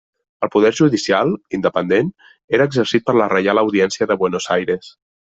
El Poder Judicial, independent, era exercit per la Reial audiència de Buenos Aires.